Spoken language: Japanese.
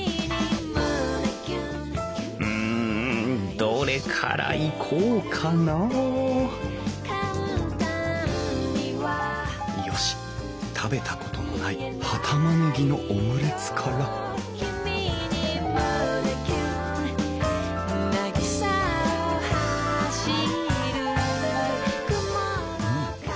うんどれからいこうかなあよし食べたことのない葉たまねぎのオムレツからうん。